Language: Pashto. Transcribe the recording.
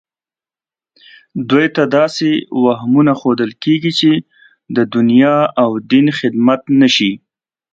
دوی ته داسې وهمونه ښودل کېږي چې د دنیا او دین خدمت نه شي